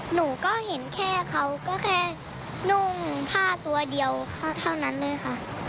หนูก็เห็นแค่เขาก็แค่นุ่งผ้าตัวเดียวเท่านั้นเลยค่ะ